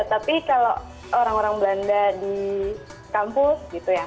tapi kalau orang orang belanda di kampus gitu ya